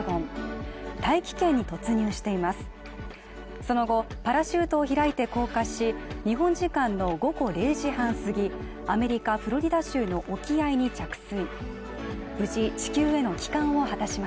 その後、パラシュートを開いて降下し、日本時間の午後０時半すぎ、アメリカフロリダ州の沖合に着水。